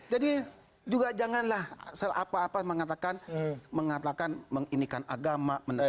jadi juga janganlah apa apa mengatakan menginikan agama